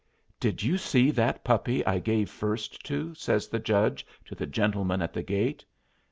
"Did you see that puppy I gave first to?" says the judge to the gentleman at the gate.